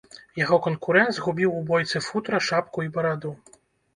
Яго канкурэнт згубіў у бойцы футра, шапку і бараду.